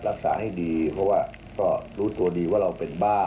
รักษาให้ดีเพราะว่าก็รู้ตัวดีว่าเราเป็นบ้า